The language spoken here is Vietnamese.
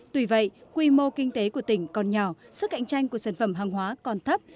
tuy vậy quy mô kinh tế của tỉnh còn nhỏ sức cạnh tranh của sản phẩm hàng hóa còn thấp